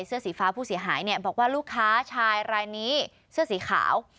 เสื้อสีฟ้าผู้เสียหายเนี่ยบอกว่าลูกค้าชายรายนี้เสื้อสีขาว